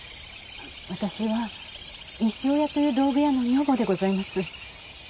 私は西尾屋という道具屋の女房でございます。